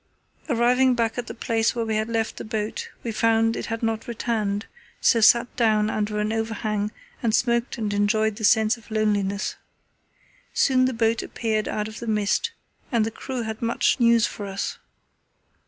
Arriving back at the place where we left the boat we found it had not returned, so sat down under an overhang and smoked and enjoyed the sense of loneliness. Soon the boat appeared out of the mist, and the crew had much news for us.